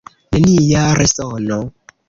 Nenia resono.